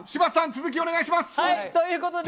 続きお願いします。